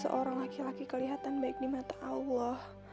seorang laki laki kelihatan baik di mata allah